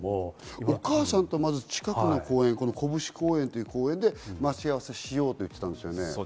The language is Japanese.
お母さんと近くのこぶし公園で待ち合わせをしようと言ってたんですよね。